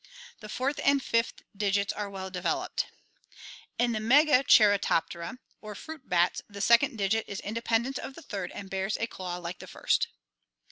The fourth and fifth digits are well developed. In the Megacheiroptera (Fig. 90,8)9 or fruit bats, the second digit is independent of the third and bears a claw like the first.